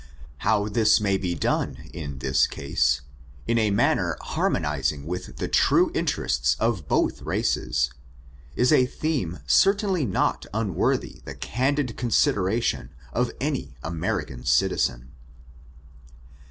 How this may be done in this case, in a manner harmonizing with the tnie interests of both races, is a theme certainly not unworthy the candid consideration of any American citizen.